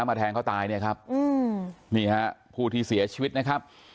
มาแทงเขาตายเนี่ยครับนี่ฮะผู้ที่เสียชีวิตนะครับ